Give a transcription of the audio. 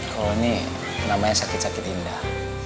kalau ini namanya sakit sakit indah